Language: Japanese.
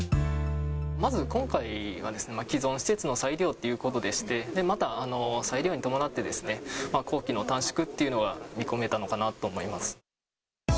まず今回はですね、既存施設の再利用っていうことでして、また再利用に伴って、工期の短縮というのが見込めたのかなと思います。